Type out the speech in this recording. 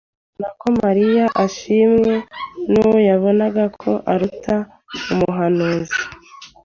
Abona ko Mariya ashimwe n'uwo yabonaga ko aruta umuhanuzi;